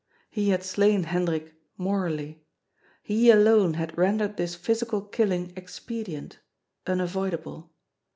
He had slain Hendrik morally. He alone had rendered this physical killing expedient, unavoidable.